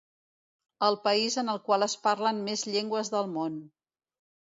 El país en el qual es parlen més llengües del món.